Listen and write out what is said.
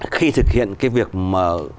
khi thực hiện cái việc mà